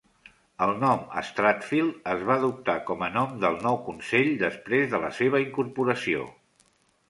El nom "Strathfield" es va adoptar com a nom del nou consell després de la seva incorporació.